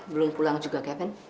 belum pulang juga kevin